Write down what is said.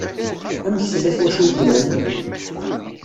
Amek tella twacult-nnem?